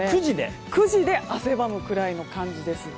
９時で汗ばむくらいの感じです。